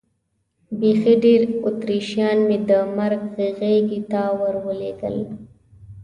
بیخي ډېر اتریشیان مې د مرګ غېږې ته ور ولېږل.